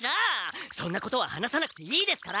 そんなことは話さなくていいですから！